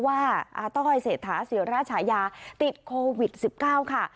อาต้อยเศรษฐาศิราชายาติดโควิด๑๙ค่ะ